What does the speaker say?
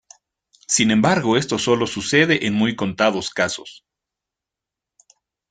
Sin embargo esto solo sucede en muy contados casos.